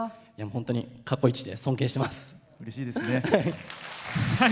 本当にかっこいい人で尊敬してます。